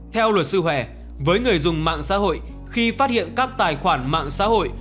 theo luật sư hẻ với người dùng mạng xã hội khi phát hiện các tài khoản mạng xã hội